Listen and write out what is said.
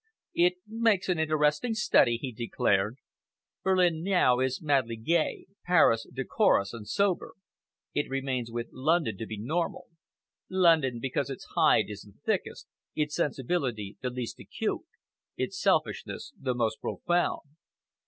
"It makes an interesting study," he declared. "Berlin now is madly gay, Paris decorous and sober. It remains with London to be normal, London because its hide is the thickest, its sensibility the least acute, its selfishness the most profound."